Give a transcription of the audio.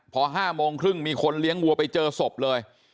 พอ๕โมงครึ่งมีคนเลี้ยงวัวไปเจอศพเลย